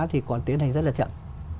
thì còn tiến hành rất là chậm